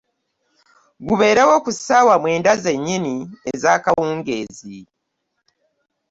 Gubeerewo ku ssaawa mwenda zennyini ez'akawungeezi.